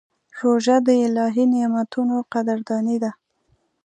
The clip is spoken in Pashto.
روژه د الهي نعمتونو قدرداني ده.